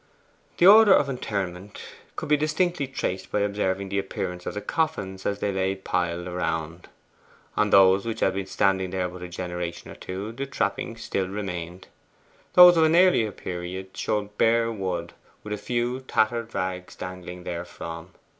The order of interment could be distinctly traced by observing the appearance of the coffins as they lay piled around. On those which had been standing there but a generation or two the trappings still remained. Those of an earlier period showed bare wood, with a few tattered rags dangling therefrom.